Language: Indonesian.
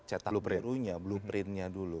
cetak bluprintnya dulu